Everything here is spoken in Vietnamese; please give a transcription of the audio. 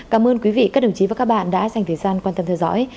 cảm ơn quý vị các đồng chí và các bạn đã dành thời gian quan tâm theo dõi